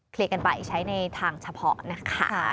เคลียร์กันไปใช้ในทางเฉพาะนะคะ